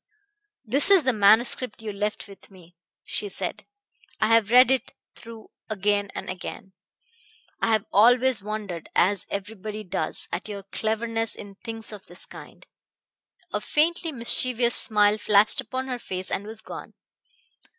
"This is the manuscript you left with me," she said. "I have read it through again and again. I have always wondered, as everybody does, at your cleverness in things of this kind." A faintly mischievous smile flashed upon her face and was gone.